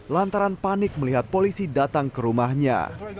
lantaran panik melihat polisi datang ke rumahnya